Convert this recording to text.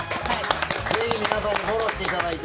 ぜひ皆さんにフォローしていただいて。